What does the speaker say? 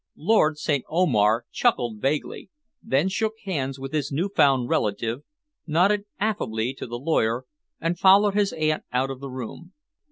Lord St. Omar chuckled vaguely, then shook hands with his new found relative, nodded affably to the lawyer and followed his aunt out of the room.